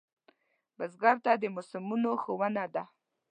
بزګر ته د موسمونو ښوونه ده